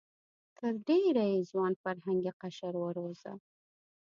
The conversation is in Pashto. تر ډېره یې ځوان فرهنګي قشر وروزه.